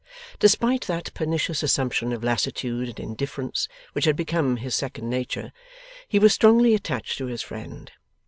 Despite that pernicious assumption of lassitude and indifference, which had become his second nature, he was strongly attached to his friend.